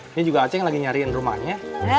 ini juga aceh yang lagi nyariin rumahnya